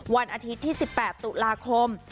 วันอาทิตย์ที่๑๘ตุลาคม